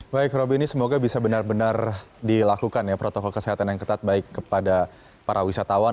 baik roby ini semoga bisa benar benar dilakukan protokol kesehatan yang ketat baik kepada para wisatawan